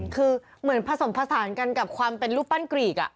คือเหมือนผสมผสานกันกับความเป็นรูปปั้นกรีก